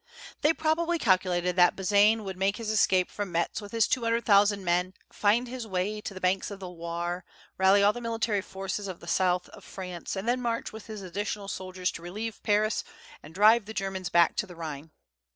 They probably calculated that Bazaine would make his escape from Metz with his two hundred thousand men, find his way to the banks of the Loire, rally all the military forces of the south of France, and then march with his additional soldiers to relieve Paris, and drive back the Germans to the Rhine.